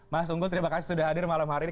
mas unggul terima kasih sudah hadir malam hari ini